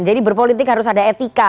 jadi berpolitik harus ada etika